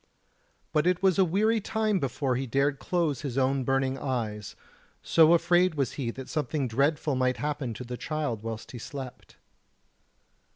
But it was a weary time before he dared close his own burning eyes, so afraid was he that something dreadful might happen to the child whilst he slept.